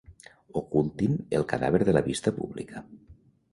Ocultin el cadàver de la vista pública.